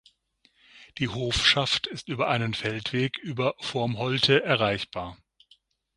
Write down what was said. Die Hofschaft ist über einen Feldweg über Vorm Holte erreichbar.